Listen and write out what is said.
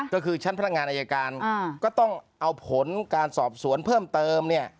ก็คือชั้นพนักงานอายการก็ต้องเอาผลการสอบสวนเพิ่มเติมเนี่ย